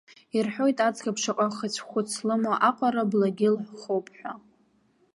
Ирҳәоит, аӡӷаб шаҟа хыцәхәыц лымоу аҟара благьы лхоуп ҳәа.